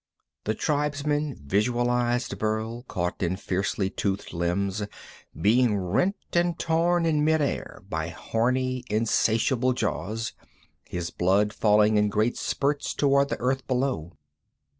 The tribesmen visualized Burl caught in fiercely toothed limbs, being rent and torn in mid air by horny, insatiable jaws, his blood falling in great spurts toward the earth below.